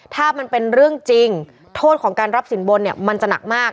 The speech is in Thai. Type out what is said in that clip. ถ้ามันเป็นเรื่องจริงโทษของการรับสินบนเนี่ยมันจะหนักมาก